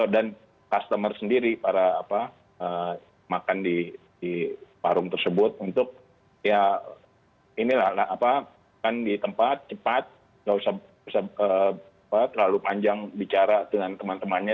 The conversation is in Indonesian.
dan customer sendiri para makan di warung tersebut untuk ya inilah di tempat cepat gak usah terlalu panjang bicara dengan teman temannya